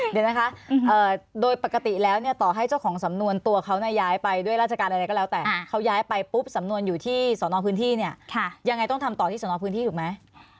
เดี๋ยวนะคะโดยปกติแล้วเนี่ยต่อให้เจ้าของสำนวนตัวเขาย้ายไปด้วยราชการอะไรก็แล้วแต่เขาย้ายไปปุ๊บสำนวนอยู่ที่สอนอพื้นที่เนี่ยยังไงต้องทำต่อที่สนพื้นที่ถูกไหม